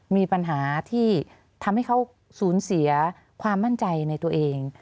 มีปัญหาที่ทำให้เขาสูญเสียความมั่นใจในตัวเอง